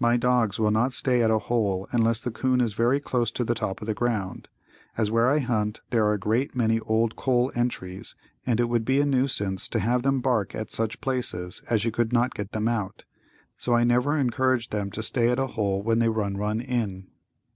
My dogs will not stay at a hole unless the 'coon is very close to the top of the ground, as where I hunt there are a great many old coal entries and it would be a nuisance to have them bark at such places as you could not get them out, so I never encourage them to stay at a hole when they run one in.